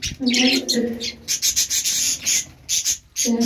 আমার একটা ইচ্ছা পূরণ করতে চাই।